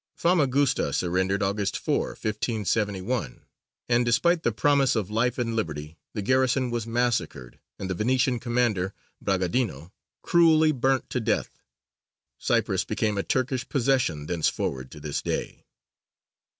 Famagusta surrendered August 4, 1571, and despite the promise of life and liberty, the garrison was massacred and the Venetian commander, Bragadino, cruelly burnt to death. Cyprus became a Turkish possession thenceforward to this day.